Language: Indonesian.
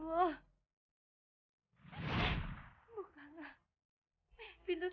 dua hari lagi